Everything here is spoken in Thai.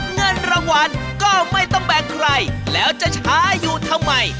เงินรางวัลก็ไม่ต้องแบ่งใครแล้วจะช้าอยู่ทำไม